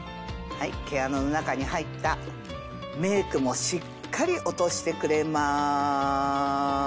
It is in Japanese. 毛穴の中に入ったメイクもしっかり落としてくれます。